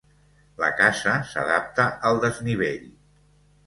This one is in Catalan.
La casa s'adapta al desnivell.